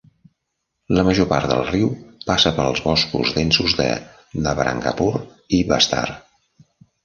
La major part del riu passa pels boscos densos de Nabarangapur i Bastar.